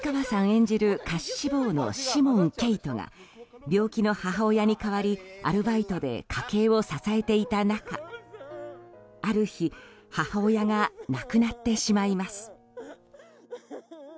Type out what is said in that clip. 演じる歌手志望の子門慧音が病気の母親に代わりアルバイトで家計を支えていた中ある日、母親が亡くなってしまいます。